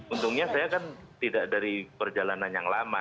untungnya saya kan tidak dari perjalanan yang lama